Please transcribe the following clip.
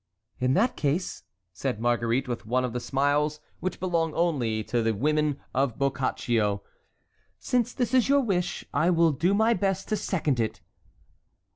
"In that case," said Marguerite, with one of the smiles which belong only to the women of Boccaccio, "since this is your wish, I will do my best to second it."